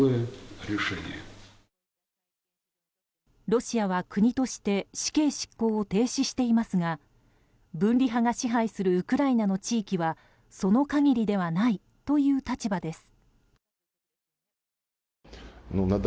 ロシアは国として死刑執行を停止していますが分離派が支配するウクライナの地域はその限りではないという立場です。